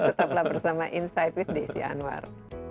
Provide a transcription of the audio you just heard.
tetaplah bersama insight with desi anwar